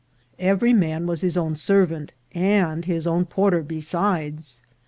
Every man was his own servant, and his own porter besides.